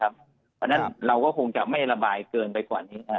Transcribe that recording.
เพราะฉะนั้นเราก็คงจะไม่ระบายเกินไปกว่านี้